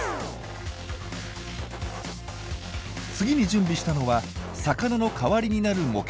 次に準備したのは魚の代わりになる模型。